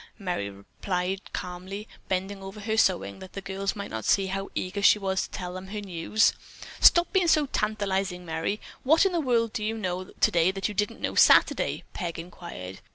Merry replied calmly, bending over her sewing that the girls might not see how eager she was to tell them her news. "Stop being so tantalizing, Merry! What in the world do you know today that you didn't know Saturday?" Peg inquired.